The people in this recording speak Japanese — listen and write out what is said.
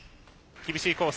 厳しいコース。